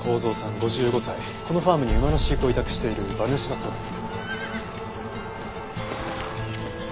このファームに馬の飼育を委託している馬主だそうです。